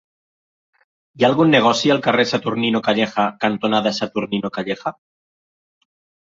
Hi ha algun negoci al carrer Saturnino Calleja cantonada Saturnino Calleja?